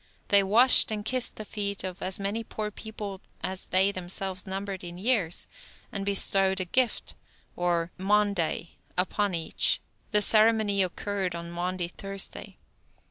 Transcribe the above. They washed and kissed the feet of as many poor people as they themselves numbered in years, and bestowed a gift, or maunday, upon each; the ceremony occurred on Maundy Thursday.